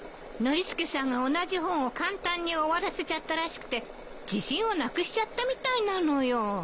ノリスケさんが同じ本を簡単に終わらせちゃったらしくて自信をなくしちゃったみたいなのよ。